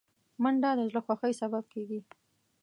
منډه د زړه خوښۍ سبب کېږي